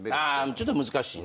ちょっと難しいね。